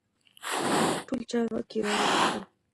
ټول چارواکي را وغوښتل.